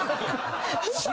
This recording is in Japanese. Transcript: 嘘？